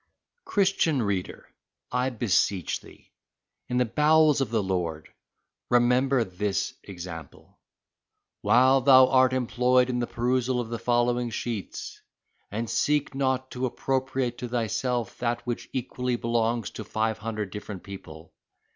Christian reader, I beseech thee, in the bowels of the Lord, remember this example "while thou art employed in the perusal of the following sheets; and seek not to appropriate to thyself that which equally belongs to five hundred different people.